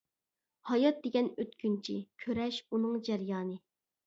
ھايات دېگەن ئۆتكۈنچى، كۈرەش ئۇنىڭ جەريانى.